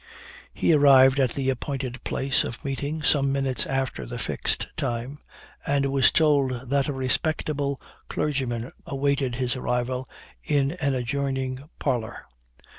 He arrived at the appointed place of meeting some minutes after the fixed time, and was told that a respectable clergyman awaited his arrival in an adjoining parlor.